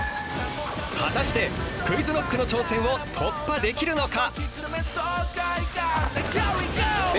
果たしてＱｕｉｚＫｎｏｃｋの挑戦を突破できるのか？